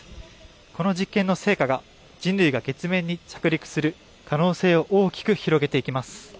これらの実験の成果が人類が月面に降り立つ可能性を大きく広げていきます」